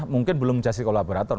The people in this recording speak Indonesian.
mungkin belum justice kolaborator